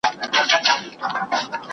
کندهار ولايت زما پلرنی ټاټوبی دی